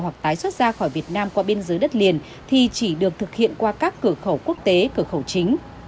hoặc tái xuất ra khỏi việt nam qua biên giới đất liền thì chỉ được thực hiện qua các cửa khẩu quốc tế cửa khẩu chính